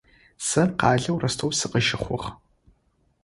Сэ къалэу Ростов сыкъыщыхъугъ.